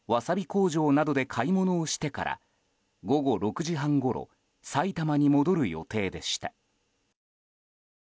工場などで買い物をしてから午後６時半ごろ埼玉に戻る予定でした。